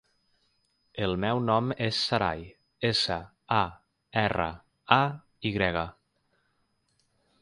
El meu nom és Saray: essa, a, erra, a, i grega.